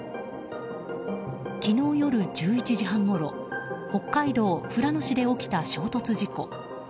昨日夜１１時半ごろ北海道富良野市で起きた衝突事故。